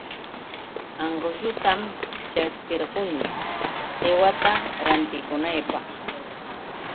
Anqusutam ćhaskiruni qiwata rantikunaypaq.